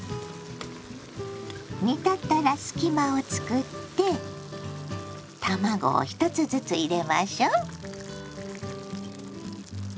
煮立ったら隙間をつくって卵を１つずつ入れましょう。